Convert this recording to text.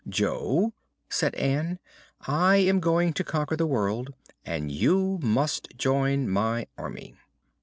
"Jo," said Ann, "I am going to conquer the world, and you must join my Army."